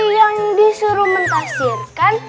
yang disuruh mentafsirkan